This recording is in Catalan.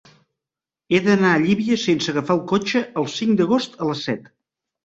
He d'anar a Llívia sense agafar el cotxe el cinc d'agost a les set.